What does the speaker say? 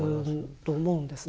と思うんですね。